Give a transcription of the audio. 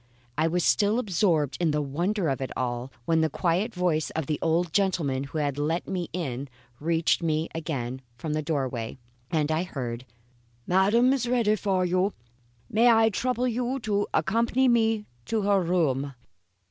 I was still absorbed in the wonder of it all, when the quiet voice of the old gentleman who had let me in reached me again from the doorway, and I heard: "Madam is ready for you. May I trouble you to accompany me to her room."